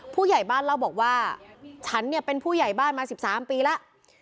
ผู้ใหญ่บ้านเล่าบอกว่าฉันเนี่ยเป็นผู้ใหญ่บ้านมา๑๓ปีแล้ว